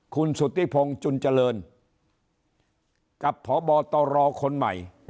คุณสุธิพงศ์จุนเจริญกับพบตรคนใหม่